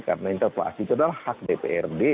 karena interpelasi itu adalah hak dprd